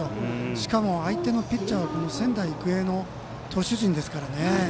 しかも、相手ピッチャーは仙台育英の投手陣ですからね。